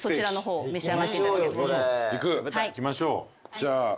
じゃあ。